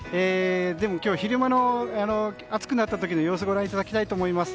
でも今日、昼間暑くなった時の様子をご覧いただきたいと思います。